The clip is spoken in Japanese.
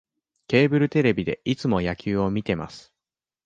ケーブルテレビでいつも野球を観てます